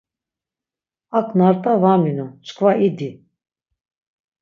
Ak na rt̆a va minon, çkva idi.